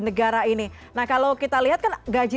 negara ini nah kalau kita lihat kan gaji